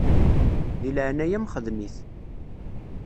Di leɛnaya-m xdem-it.